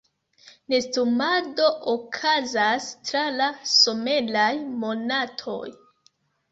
Nestumado okazas tra la someraj monatoj.